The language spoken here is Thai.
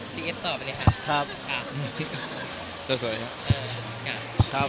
สีเอฟตอบไปเลยค่ะ